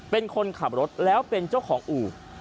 เป็นคนขับรถแล้วเป็นเจ้าของอู่